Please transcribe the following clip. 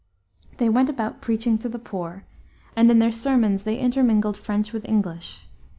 They went about preaching to the poor, and in their sermons they intermingled French with English.